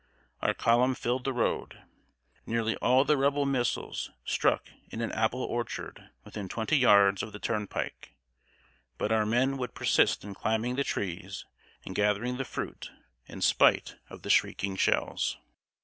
Our column filled the road. Nearly all the Rebel missiles struck in an apple orchard within twenty yards of the turnpike; but our men would persist in climbing the trees and gathering the fruit, in spite of the shrieking shells.